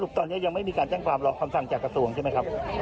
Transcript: ตอนนี้ยังไม่มีการแจ้งความรอคำสั่งจากกระทรวงใช่ไหมครับ